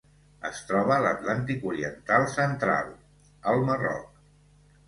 Es troba a l'Atlàntic oriental central: el Marroc.